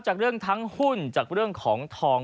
จากเรื่องทั้งหุ้นจากเรื่องของทอง